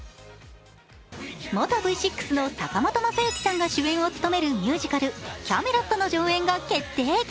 元Ｖ６の坂本昌行さんが主演を務めるミュージカル「キャメロット」の上演が決定。